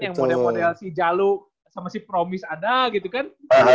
yang model model si jalu sama si promis ada gitu kan